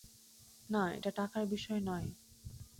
না, এটা টাকার বিষয় নয়।